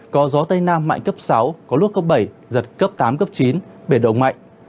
có gió tây nam mạnh cấp sáu có lúc cấp bảy giật cấp tám cấp chín biển động mạnh